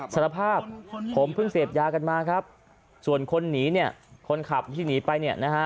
สารภาพผมเพิ่งเสพยากันมาครับส่วนคนหนีเนี่ยคนขับที่หนีไปเนี่ยนะฮะ